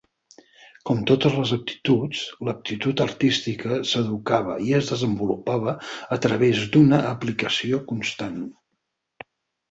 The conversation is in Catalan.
Com totes les aptituds, l'aptitud artística s'educava i desenvolupava a través d'una aplicació constant.